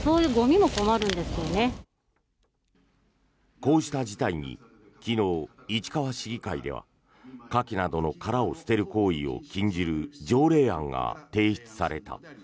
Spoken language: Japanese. こうした事態に昨日、市川市議会ではカキなどの殻を捨てる行為を禁じる条例案が提出された。